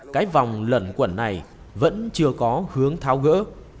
cái vòng lẩn quẩn này vẫn chưa có hướng tháo gỡ